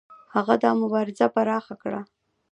هغه دا مبارزه پراخه کړه.